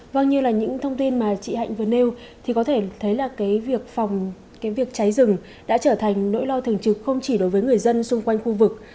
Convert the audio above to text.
vâng như là những thông tin mà chị hạnh vừa nêu thì có thể thấy là cái việc phòng cái việc cháy rừng đã trở thành nỗi lo thường trực không chỉ đối với người dân xung quanh khu vực